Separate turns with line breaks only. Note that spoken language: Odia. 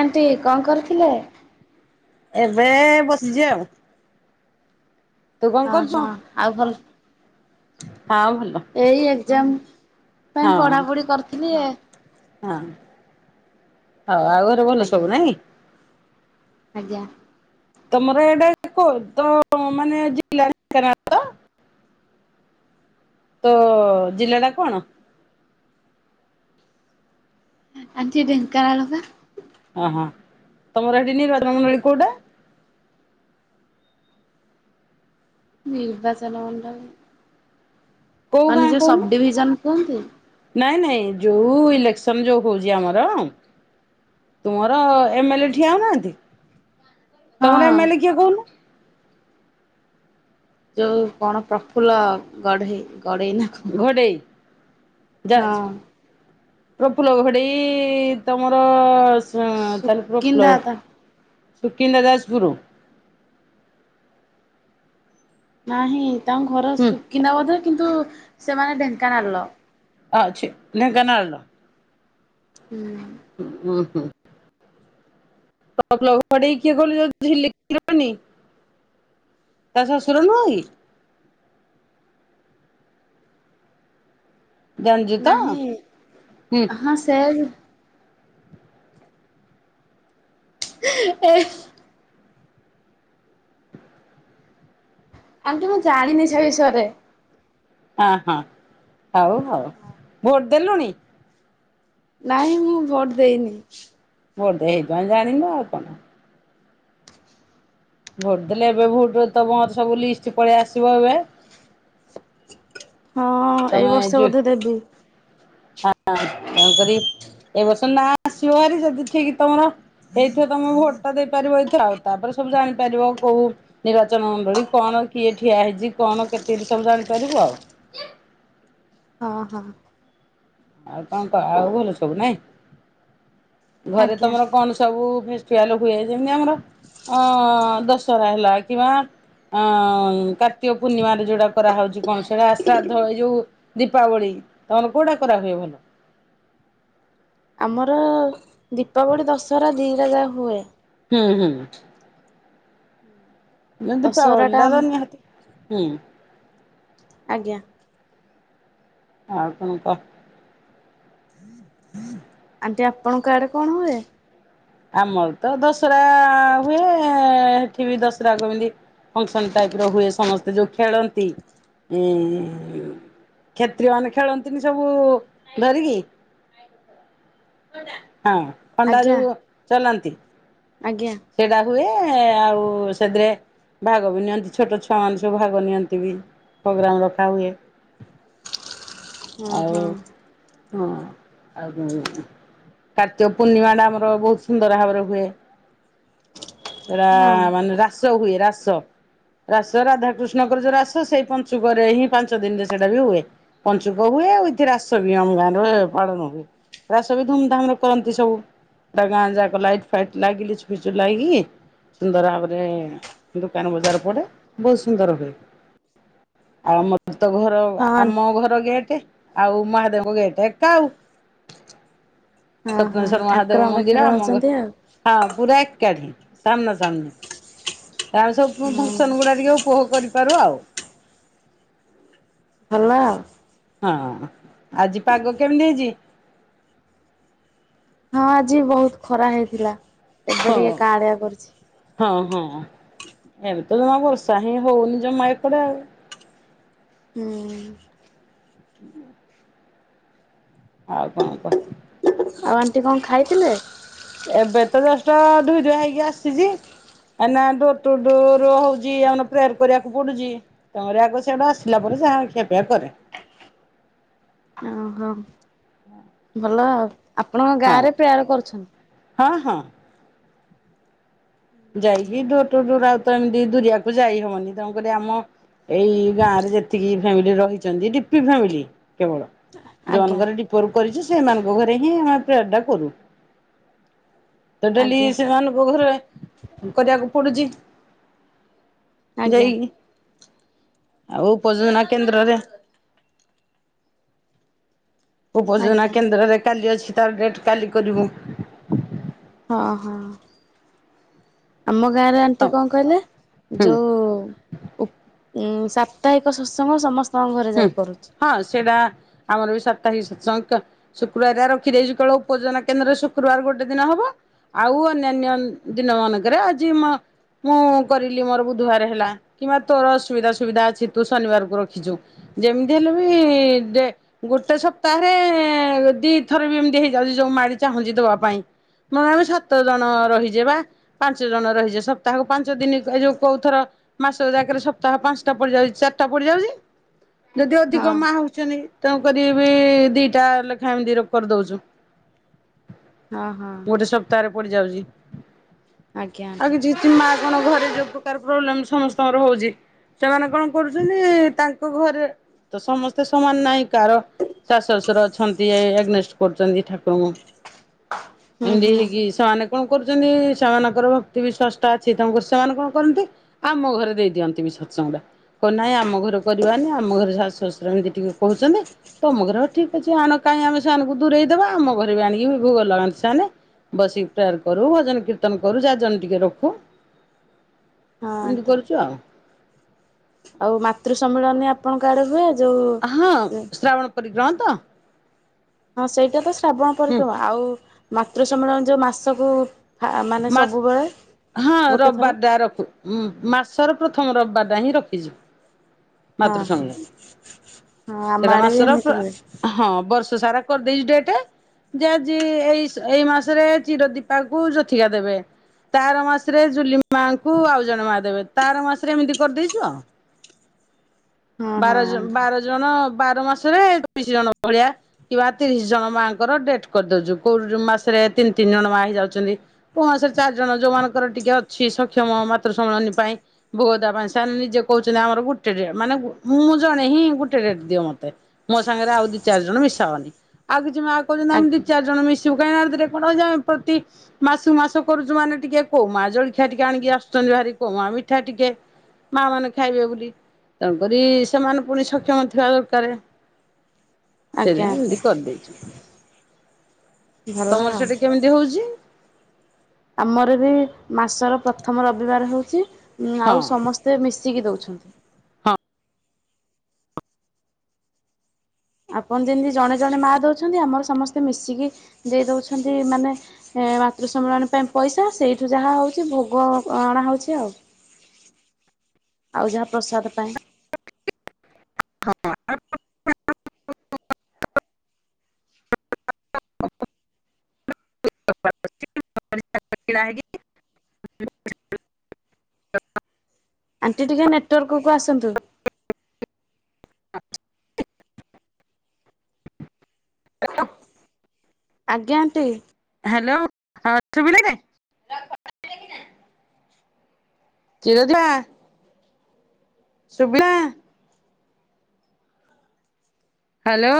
ଆଣ୍ଟି କଣ କରୁଥିଲେ?
ଏବେ ବସିଛି ଆଉ ତୁ କଣ
ଅ
କରୁଛୁ?
ହଁ ଆଉ ଭଲ
ହଁ ଭଲ
ଏଇ ଏକ୍ଜାମ
ହଁ
ପାଇଁ ପଢାପଢି କରିଥିଲି।
ହଁ। ହଉ ଆଉ ଘରେ ଭଲ ସବୁ ନାଇଁ
ଆଜ ଯା
ତମର ଏଇଟା କହ ତ ମାନେ ଜିଲ୍ାନା ତ ତ ଜିଲ୍ିଲା ଟା କଣ?
ଆଠ ଏ ଟନ କରା ଲୋକ
ହ ହଁ ତମର ହଡିିନୀର୍ଦ ମଙ୍ଗନଳି କଉଡା
ମ ବାାସଲା ଉଣ୍ଡବ
କୋଉ ଗାଁ
ମାନେ ଯୋଉ
କହୁନୁ
ସବ ଡିଭିଜନ କୁହନ୍ତି।
ନାଇଁ ନାଇଁ ଯେଉଁ ଇଲେକ୍ସନ୍ ଯେଉଁ ହେଉଛି ଆମର ତୁମର ଏମ୍ଏଲ୍ଏ ଠିଆଉନାହାଁନ୍ତି।
ହଁ
ତମର ଏମଲେ କିଏ କହୁନୁ
ଯଉ କଣ ପ୍ରଫୁଲ୍ଲ ଗଢେଇ ଗଡେଇ ନା କଣ
ଘଡ଼େଇ ଯା
ହଁ
ପ୍ର ଫୁଲ ଘଡି ତମର ତଳପୁରପଲ
ସୁକିନ୍ଦା ତା
ସୁକିନ୍ଦା ଦାସ ଗୁୁର
ନାହିଁ। ତାଙ୍କ ଘର
ହୁଁ
ଶୁଖିନା ବୋଧେ କିନ୍ତୁ ସେମାନେ ଢେଙ୍କାନାଳ ର।
ଅ ନିେ କେ ନା ଆଡ଼ଲୋ
ହୁଁ
ଓ ହୋ। ଘଟ କିଏ କନି ତା ସ ଶଣ ନୁ କି? ଜାଣିଛୁ ତ
ନାହିଁ
ହୁଁ
ହଁ ସେ ଏ। ଆଣ୍ଟି ମୁଁ ଜାଣିିନି ସେ ବିିଷରେ।
ହଁ ହଁ। ହଉ ହଉ ଭୋଟ ଦେଲୁଣି।
ନାଇଁ ମୁଁ ଭୋଟ ଦେଇନି।
ମୋର ତ ହେଇଥି ପାଇଁ ଜାଣିନୁ ଆଉ କଣ? ଭୋଟ ଦେଲେ ଏବେ ଭୁଟୁ ରେ ତ ମୋର ସବୁ ଲିଷ୍ଟ ପଳେଇ ଆସିବ ଏବେ।
ହଁ ଏଇ
ତମେ
ବର୍ଷ
ଯୋଉ
ବୋଧେ ଦେବି।
ହଁ ତେଣୁ କରି ଏ ବର୍ଷ ନା ଆସିବ ଭାରି ଯଦି ଠିକ୍ ତମର ହେଇଥିବ ତମେ ଭୋଟ ଟା ଦେଇପାରିବ। ଏଇଥ ଆଉ ତାପରେ ସବୁ ଜାଣିପାରିବ କୋଉ ନିର୍ବାଚନ ମଣ୍ଡଳୀ କଣ କିଏ ଠିଆ ହେଇଛି। କଣ କେତେ ସବୁ ଜାଣିପାରିବ ଆଉ।
ହଁ ହଁ।
ଆଉ କଣ କ ଆଉ ଭଲ ସବୁ ନାଇଁ। ଘରେ
ଆଜ୍ଞା
ତମର କଣ ସବୁ ଫିଆଲ ହୁଏ ଯେମିତି ଆମର ଦଶହରା ହେଲା କିମ୍ବା କାର୍ତ୍ତିକ ପୂର୍ଣ୍ଣିମାରେ ଯଉଟା କରାହେଉଛି କଣ ସେଆଟା ଆଶ୍ରାଦ୍ଧ ଏଇ ଯୋଉ ଦୀପାବଳି ତମର କଉଟା କରାହୁଏ ଭଲ।
ଆମର ଦୀପାବଳି ଦଶହରା ଦିଟା ଯାହା ହୁଏ।
ହୁଁ ହୁଁ।
ହୁଁ।
ଯେମିତି ପାୱେଲ ଟା ତ ନିହାତି। ହୁଁ।
ଆଜ୍ଞା।
ଆଉ କଣ କ।
ଯେ ଆପଣଙ୍କ ଆଡେ କଣ ହୁଏ।
ଆମର ତ ଦଶରା ହୁଏ ସେଠି ବି ଦଶରାକୁ ଏମିତି ଫଙ୍କସନ ଟାଇପ୍ ର ହୁଏ। ସମସ୍ତେ ଯୋଉ ଖେଳନ୍ତି ଉ କ୍ଷତ୍ରୀୟ ମାନେ ଖେଳନ୍ତିନି ସବୁ ଧରିକି। ହଁ ଅନ୍ଦା
ଆଜ୍ଞା
ଯୋଉ। ଚାଲନ୍ତି।
ଆଜ୍ଞା
ସେଟା ହୁଏ। ଆଉ ସେଥିରେ ଭାଗ ବି ନିଅନ୍ତି। ଛୋଟ ଛୁଆମାନେ ସବୁ ଭାଗ ନିଅନ୍ତି ବି ପ୍ରୋଗ୍ରାମ ରଖା ହୁଏ।
ଓ
ଆଉ
ହୋ।
ହଁ ଆଉ କାର୍ତ୍ତିକ ପୂର୍ଣ୍ଣିମା ଟା ଆମର ବହୁତ ସୁନ୍ଦର ଭାବରେ ହୁଏ। ଏରା
ହଁ ହଁ।
ମାନେ ରା ହୁଏ ରାସ ରାସ ରାଧାକୃଷ୍ଣଙ୍କର ଯୋଉ ରାସ ସେଇ ପଞ୍ଚୁକରେ ହିଁ ପାଞ୍ଚ ଦିନରେ ସେଇଟା ବି ହୁଏ। ପଞ୍ଚୁକ ହୁଏ ଆଉ ଏଇଠି ରାସ ବି ଆମ ଗାଁ ର ପାଳନ ହୁଏ। ରାସ ବି ଧୁମ୍ ଧାମରେ କରନ୍ତି ସବୁ ତା ଗାଁ ଯାକ ଲାଇଟ୍ ଫାଇଟ୍ ଲାଗିଲି ଫିଚୁ ଲାଗକି ସୁନ୍ଦର ଭାବରେ ଦୋକାନ ବଜାର ପଡେ। ବହୁତ ସୁନ୍ଦର ହୁଏ। ଆଉ ମର ତ ଘର
ହଁ
ଆମ ଘର ଗେଟେ ଆଉ ମାହାଦେବଙ୍କୁ ଗେଟେ ଏକା ଆଉ।
ହଁ
ସପ୍ନେଶ୍ୱର ମହାଦେବ
ଠାକୁରଙ୍କ ପାଖରେ
ମନ୍ଦିର ଆମ ଙ୍ଗ
ରହୁଛନ୍ତି ଆଉ
ହଁ। କୋଠି ସାମ୍ନା ସାମ୍ନୀ। ତାମେ ସବୁ
ହଁ
ଫଙ୍କସନ ଗୁଡା ଟିକେ ଉପଭୋଗ କରିପାରୁ ଆଉ।
ଭଲ ଆଉ।
ହଁ ଆଜି ପାଗ କେମିତି ହେଇଛି।
ହଁ ଆଜି ବହୁତ ଖରା ହେଇଥିଲା। ଏବେ
ହଁ
ଟିକେ କାଡ଼ିଆ
ହଁ ହଁ।
କରଛି।
ଏବେ ତ ଜମା ବର୍ଷା ହିଁ ହଉନି ଜମା ଏପଡେ ଆଉ
ହୁଁ।
ଆଉ କଣ କହ।
ଆଉ ଆଣ୍ଟି କଣ ଖାଇଥିଲେ?
ଏବେ ତ ଜଷ୍ଟ୍ ଧୁଇ ଧୁଆ ହେଇକି ଆସିଛି ଏନା ଡୋର ଟୁ ଡୋର ହଉଛି ଆନ ପ୍ରେୟାର କରିବାକୁ ପଡୁଛି ତମରି ଆଗ ସେଆଡେ ଆସିଲା ପରେ ସେ ଖିଆପିଆ କରେ।
ଓହୋ ଭଲ ଆଉ। ଆପଣଙ୍କ
ହଁ
ଗାଁ ରେ ପ୍ରେୟାର କରୁଛନ୍ତି।
ହଁ ଯାଇ ହି ଡୋର୍ ଟୁ ଡୋର ଆ ତ ଏମିତି ଦୁରିଆକୁ ଯାଇ ହବନି ତେଣୁକରି ଆମ ଏଇ ଗାଁ ରେ ଯେତିକି ଫ୍ୟାମିଲି ରହିଛନ୍ତି ଡି ପି ଫ୍ୟାମିଲି କେବଳ
ଆଜ୍ଞା
ଯୋଉମାନଙ୍କରେ ଡିପୋ ର କରିଛି ସେମାନଙ୍କ ଘରେ ହିଁ ଆମେ ଏଡା କରୁ। ତ ଡେଲି
ଆଜ୍ଞା
ସେମାନ ପୋଖରୁ [unintelligible] କଦ [inaudible] ପଡୁଛି।
ଆଜ୍ଞା
ଯାଇକି ଆଉ ପଜଦ [inaudible] ନା କେନ୍ଦ୍ରରେ ଉପଜନା
ଆଜ୍ଞା
କେନ୍ଦ୍ରରେ କାଲି ଅଛି। ତାର ଡେଟ୍ କାଲି କରିବୁ।
ହଁ ହଁ। ଆମ ଗାଁରେ ଆଣ୍ଟି କଣ କହିଲେ
ହୁଁ
ଯଉଁ ଉ ସାପ୍ତାହିକ ସତ୍ସଙ୍ଗ ସମସ୍ତ
ହୁଁ ହଁ ସେଇଟା ଆମର ବି ସାପ୍ତାହିକ ସତ୍ସଙ୍ଗ ଶୁକ୍ରବାରିଆ ରଖିଦେଇଛୁ କେଳ ଉପଜନା କେନ୍ଦ୍ରରେ ଶୁକ୍ରବାର ଗୋଟେ ଦିନ ହବ ଆଉ ଅନ୍ୟାନ୍ୟ ଦିନ ମାନଙ୍କରେ ଆଜି ମଁ ମୁଁ କରିଲି ମୋର ବୁଧବାର ହେଲା କିମ୍ବା ତୋର ଅସୁବିଧା ସୁବିଧା ଅଛି ତୁ ଶନିବାରକୁ ରଖିଛୁ। ଯେମିତି ହେଲେ ବି ଦେଖ୍ ଗୋଟେ ସପ୍ତାହରେ ଦିଥର ବି ଏମିତି ହେଇଯାଉଛି ଯୋଉ ମାଡି ଚାହୁଁଛି ଦବା ପାଇଁ ମ ସାତ ଜଣ ରହିଛେ ବା ପାଞ୍ଚ ଜଣ ରହିଛେ ସପ୍ତାହକୁ ପାଞ୍ଚ ଦିନ ଏ ଯୋଉ କୋଉ ଥର ମାସ ଯାକରେ ସପ୍ତାହ ପାଞ୍ଚଟା ପଡିଯାଉଛି ଚାରିଟା ପଡିଯାଉଛି। ଯଦି ଅଧିକ
ହଁ
ମା ହଉଛନ୍ତି ତେଣୁ କରି ବି ଦିଟା ଲେଖାଏଁ ଏମ [inaudible] ଦର କରିଦେଉଛୁ।
ହଁ ହଁ।
ପଡି ଯାଉଛି।
ଆଜ୍ଞା
ଆଉ
ଆଣ୍ଟି
କିଛି କିଛି ମା କଣ ଘରେ ଯୋଉ ପ୍ରକାର ପ୍ରୋବ୍ଲେମ ସମସ୍ତଙ୍କର ହଉଛି ସେମାନେ କଣ କରୁଛନ୍ତି ତାଙ୍କ ତା ଘରେ ତ ସମସ୍ତେ ସମାନ ନାହିଁ କାହାର ଶାଶୁ ଶଶୁର ଅଛନ୍ତି ଏଗନେଷ୍ଟ କରୁଛନ୍ତି ଠାକୁରଙ୍କୁ
ହୁଁ
ଏଡି
ହୁଁ
ହେଗ ଶାନକ କଣ କରୁଛନ୍ତି ସେମାନଙ୍କର ଭକ୍ତି ବି ଷଷ୍ ଅଛି ତାଣ ସେମାନେ କଣ କରନ୍ତି ଆମ ଘରେ ଦେଇ ଦିଅନ୍ତି ବି ସତ୍ସଙ୍ଗଡା କହ ନାହିଁ ଆମ ଘର କରିବାାନି ଆମ ଘରେ ଶଶୁ ଶଶୁର ଏମିତି ଟିକେ କହୁଛନ୍ତି ତମ ଘରେ ହଉ ଠିକ ଅଛି ଆଣ କାହିଁ ଆମେ ସେମାନଙ୍କୁ ଦୂରେଇଦବା ଆମ ଘରେ ବି ଆଣିକି ଭୋଗ ଲଗଣି ସେମାନେ ବସିକି ପ୍ରେୟାର କରୁ ଭଜନ କୀର୍ତ୍ତନ କରୁ ଯାଜନ ଟିକେ ରଖୁ
ହଁ
ଏମିତି
ଆଣ୍ଟି
କରୁଛୁ ଆଉ
ଆଉ ମାତୃ ସମ୍ମିଳନୀ ଆପଣଙ୍କ ଆଡେ ହୁଏ ଯୋଉ
ହଁ ଶ୍ରାବଣ ପରିିକ୍ରନ୍ତ [inaudible] କୁତ୍ତା [inaudible]
ହଁ ସେଇଟା ତ ଶ୍ରାବଣ ପସମା ଆଉ ମା ପତୁ ସମ୍ଳନ ଯେଉଁ ମାସକୁ ମାନେ
ମା
ସବୁବେଳେ
ହଁ
ଗୋଟେ ଥର
ରବିବାରା ରଖ ମାସର ପ୍ରଥମ ରବିବାର ନାହିଁ ରଖିଛୁ।
ହଁ
ମାତୃ
ହଁ
ସଂାନୀ
ହଁ ଆମ
ସେଟା
ଆଡେ ବି
ମାସର
ଏମିତି ହୁଏ
ହଁ ବର୍ଷ ସାରା [inaudible] କରିଦେଇ ଡ ଏଇ ମାସରେ ଚିର ଦୀପା କ ଜୋତିିକା ଦେବେ ତାର ମାସରେ ଜୁଲି ମାଙ୍କୁ ଆଉ ଜଣେ ମା ଦେବେ ତାର ମାସରେ ଏମିତି କରିଦେଇଛୁ ଆଉ
ହଁ ହଁ
ବାର ଜ ବାର ଜଣ। ବାର ମାସରେ ଦଶି ଜଣ ଭଳିଆ କିବା ତିରିଶ ଜଣ ମାଙ୍କର ଡେଟ କରିଦଉୁ କୋଉ ମାସରେ ତିନି ତିନି ଜଣ ମା ହେଇ ଯାଉଛନ୍ତି କୋଉ ମାସରେ ଚାରି ଜଣ ଯୋଉମାନଙ୍କର ଟିକେ ଅଛି ସକ୍ଷମ ମାତୃ ସମ୍ମିଳନୀ ପାଇଁ ଭୋଗ ଦେବା ପାଇଁ ସେମାନେ ନିଜେ କହୁଛନ୍ତି ଆମର ଗୋଟେ ଡ ମାନେ ମୁଁ ଜଣେ ହିଁ ଗୋଟେ ଡେଟ ଦିଅ ମତେ ମୋ ସାଙ୍ଗରେ ଆଉ ଦି ଚାରି ଜଣ ମିଶା ହାଉନି ଆଉ କିଛି କହୁଛନ୍ତି ଆମ ଦି
ଆଜ୍ଞା।
ଚାର ଜଣ ମିିବ କାଁ କଣା ପ୍ରତି ମାସୁ ମାସ କରୁଛୁ ମାନେ ଟିକେ କୋମା ଜଳଖିଆ ଟିକେ ଆଣିକି ଆସୁଛନ୍ତି ଭାରି କମା ମିଠା ଟିକେ ମା ମାନେ ଖାଇବେ ବୋଲି ତା କରି ସେମାନେ ପୁଣି ସକ୍ଷମ ଥିବା ଦରକାର ସେ
ଆଜ୍ଞା ଆଜ୍ଞା
ଏି କରିଦେଇଛି [inaudible]
ଭଲ
ତମର
ଆଉ
ସେଠି କେମିତି ହଉଛି?
ଆମର ବି ମାସର ପ୍ରଥମ ରବିବାର ହଉଛି। ଉଁ
ହଁ
ଆଉ ସମସ୍ତେ ମିଶିକି ଦଉଛି। [unintelligible]
ହଁ
ଆପଣ ଯେମିତି ଜଣେ ଜଣେ ମା ଦଉଛନ୍ତି ଆମର ସମସ୍ତେ ମିଶିକି ଦେଇ ଦଉଛନ୍ତି ମାନେ ମାତୃ ସମ୍ମିଳନୀ ପାଇଁ ପଇସା ସେଇଠୁ ଯାହା ହଉଛି ଭୋଗ ଅଣା ହଉଛି ଆଉ ଆଉ ଯାହା ପ୍ରସାଦ ପାଇଁ
ଡ଼ା [inaudible]
ଆଣ୍ଟି ଟିକେ ନେଟୱାର୍କକୁୁ ଆସନ୍ତୁ।
ହ [inaudible]
ଆଜ୍ଞା ଆଣ୍ଟି।
ହ୍ୟାଲୋ [unintelligible] କିଏ ଅଇଲା। ଶୁବିଲା। ହ୍ୟାଲୋ।